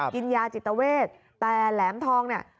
กินยาจิตเวทแต่แหลมทองเนี่ย